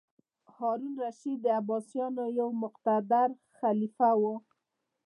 هارون الرشید د عباسیانو یو مقتدر خلیفه و.